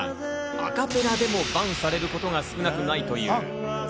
アカペラでもＢＡＮされることが少なくないといいます。